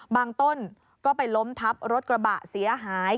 ต้นก็ไปล้มทับรถกระบะเสียหาย